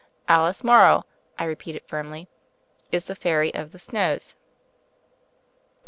"Alice Morrow," I repeated firmly, "is the Fairy of the Snows."